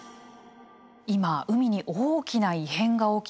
今海に大きな異変が起きています。